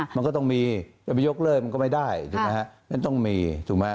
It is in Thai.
มันก็ต้องมีจะไปยกเลิกมันก็ไม่ได้ถูกไหมฮะมันต้องมีถูกไหม